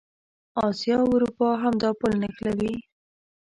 اسیا او اروپا همدا پل نښلوي.